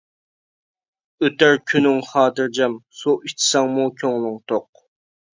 ئۆتەر كۈنۈڭ خاتىرجەم، سۇ ئىچسەڭمۇ كۆڭلۈڭ توق.